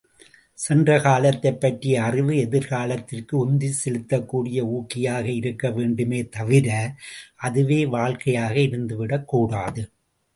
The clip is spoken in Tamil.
சென்றகாலத்தைப்பற்றிய அறிவு எதிர்காலத்திற்கு உந்தி செலுத்தக் கூடிய ஊக்கியாக இருக்க வேண்டுமே தவிர அதுவே வாழ்க்கையாக இருந்துவிடக் கூடாது.